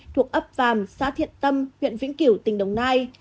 thuộc ấp vàm xã thiện tâm huyện vĩnh kiểu tỉnh đồng nai